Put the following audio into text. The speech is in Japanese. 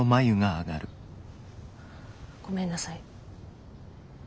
ごめんなさい。